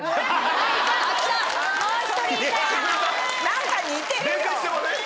何か似てるよ。